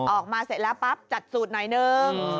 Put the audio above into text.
ออกมาเสร็จแล้วปั๊บจัดสูตรหน่อยนึง